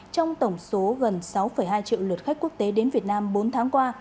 trong tổng số gần sáu hai triệu lượt khách quốc tế đến việt nam bốn tháng qua